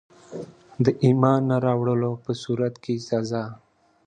د ایمان نه راوړلو په صورت کي سزا.